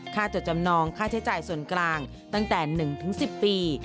จดจำนองค่าใช้จ่ายส่วนกลางตั้งแต่๑๑๐ปี